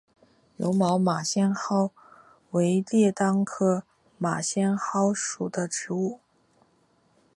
柔毛马先蒿为列当科马先蒿属的植物。